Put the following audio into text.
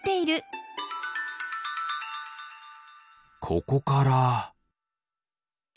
ここから。